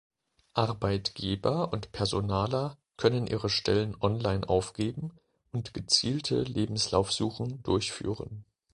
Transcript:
Arbeitgeber und Personaler können ihre Stellen online aufgeben und gezielte Lebenslaufsuchen durchführen.